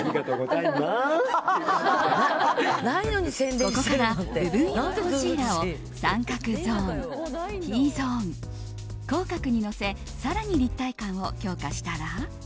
ここから部分用コンシーラーを三角ゾーン、Ｔゾーン口角にのせ更に立体感を強化したら。